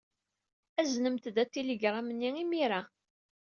Aznemt-d atiligṛam-nni imir-a.